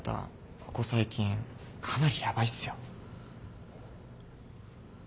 ここ最近かなりヤバいっすよ。